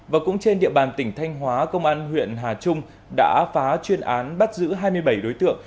và cũng trên địa bàn tỉnh thanh hóa công an huyện hà trung đã phá chuyên án bắt giữ hai mươi bảy đối tượng